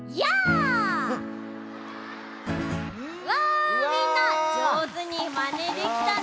わあみんなじょうずにまねできたね！